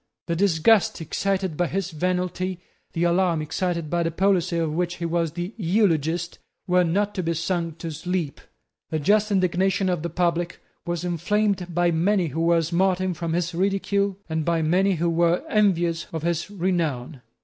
The disgust excited by his venality, the alarm excited by the policy of which he was the eulogist, were not to be sung to sleep. The just indignation of the public was inflamed by many who were smarting from his ridicule, and by many who were envious of his renown.